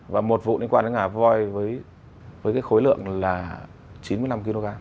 và một vụ liên quan đến ngả voi với khối lượng là chín mươi năm kg